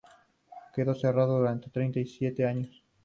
Quedó cerrado durante treinta y siete años.